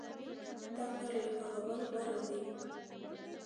دا کار له هغه بل غوره دی.